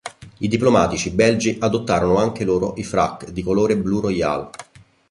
I diplomatici belgi adottarono anche loro i frac di colore "blue royale".